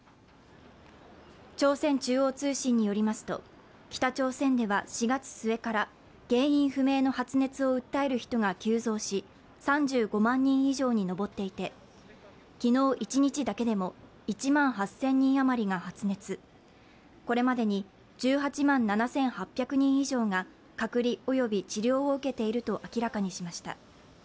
朝鮮中央通信によりますと北朝鮮では４月末から原因不明の発熱を訴える人が急増し３５万人以上に上っていて、昨日一日だけでも１万８０００人あまりが発熱、これまでに１８万７８００人以上が隔離及び治療を受けていると明らかにしました。